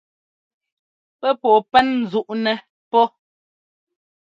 Pɛ́ pɔɔ pɛn ńzúꞌnɛ́ pɔ́.